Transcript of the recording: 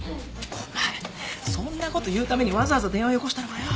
お前そんなこと言うためにわざわざ電話よこしたのかよ。